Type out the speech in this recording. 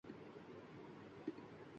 جلوہٴ گل واں بساطِ صحبتِ احباب تھا